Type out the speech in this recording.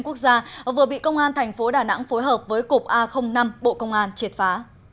quốc gia vừa bị công an thành phố đà nẵng phối hợp với cục a năm bộ công an triệt phá